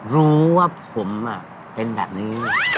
รู้ว่าผมเป็นแบบนี้